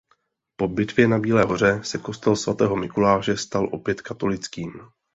Po bitvě na Bílé Hoře se kostel svatého Mikuláše stal opět katolickým.